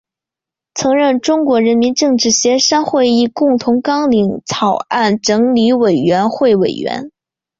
曾任中国人民政治协商会议共同纲领草案整理委员会委员。